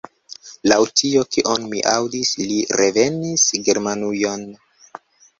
Laŭ tio, kion mi aŭdis, li revenis Germanujon?